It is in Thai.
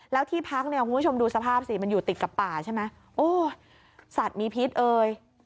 แล้วที่พักเนี่ยคุณผู้ชมดูสภาพสิมันอยู่ติดกับป่าใช่ไหมโอ้ยสัตว์มีพิษเอ่ย